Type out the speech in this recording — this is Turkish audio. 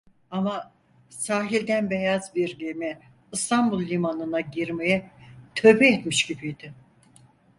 Ama sahiden beyaz bir gemi İstanbul limanına girmeye tövbe etmiş gibiydi.